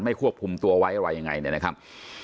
ไม่ควบคุมตัวไว้อะไรแบบยังไง